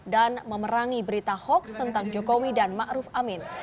dan memerangi berita hoaks tentang jokowi dan ma'ruf amin